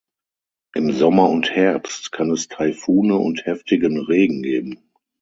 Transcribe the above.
Im Sommer und Herbst kann es Taifune und heftigen Regen geben.